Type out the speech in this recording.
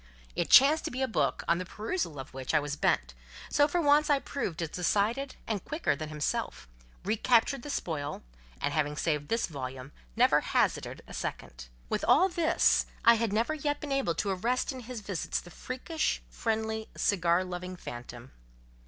It chanced to be a book, on the perusal of which I was bent; so for once I proved as decided and quicker than himself; recaptured the spoil, and—having saved this volume—never hazarded a second. With all this, I had never yet been able to arrest in his visits the freakish, friendly, cigar loving phantom.